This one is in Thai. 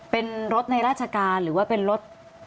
เป็นรถในราชการหรือว่าเป็นรถ